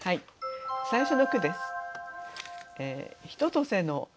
最初の句です。